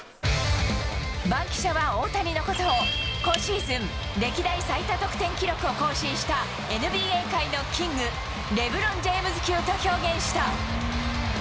番記者は大谷のことを、今シーズン、歴代最多得点記録を更新した、ＮＢＡ界のキング、レブロン・ジェームズ級と表現した。